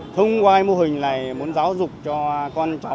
thông qua mô hình này muốn giáo dục cho con cháu